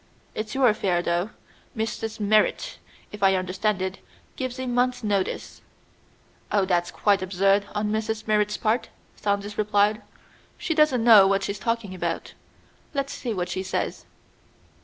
"It's your affair, though. Mrs. Merrit, if I understand it, gives a month's notice." "Oh, that's quite absurd on Mrs. Merrit's part," Saunders replied. "She doesn't know what she's talking about. Let's see what she says."